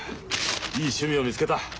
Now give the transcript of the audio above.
いい趣味を見つけた。